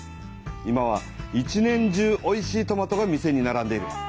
今は一年中おいしいトマトが店にならんでいる。